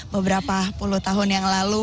beberapa puluh tahun yang lalu